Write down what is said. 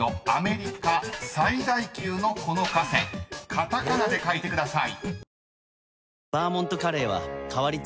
［カタカナで書いてください］